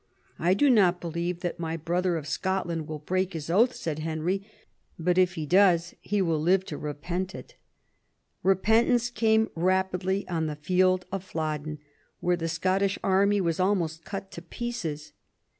"I do not believe that my brother of Scotland will break his oath," said Henry, " but if he does, he will live to repent it" Eepentance came rapidly on the Field of Flodden, where the Scottish army was almost cut to pieces.